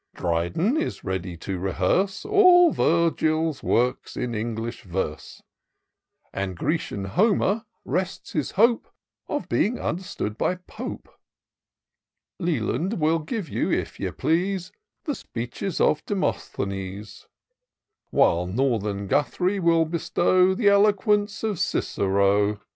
Dryden is ready to rehearse All VirffiVs Works in English verse ; And Grecian Homer rests his hope Of being understood by Pope. Leland wiU give you, if ye please. The speeches of Demosthenes ; While Northern Guthrie will bestow The eloquence of Cicero.